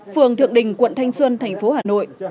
phường thượng đình quận thanh xuân thành phố hà nội